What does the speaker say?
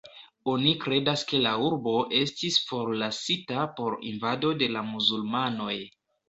Oni kredas ke la urbo estis forlasita por invado de la muzulmanoj.